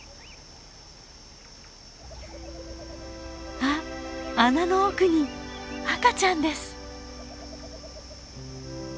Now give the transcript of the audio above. あっ穴の奥に赤ちゃんです！